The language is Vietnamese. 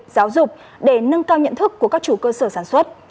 giáo dục để nâng cao nhận thức của các chủ cơ sở sản xuất